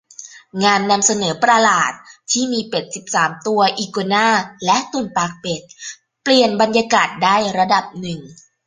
งานนำเสนอประหลาดที่มีเป็ดสิบสามตัว อีกัวน่า และตุ่นปากเป็ด เปลี่ยนบรรยากาศได้ระดับหนึ่ง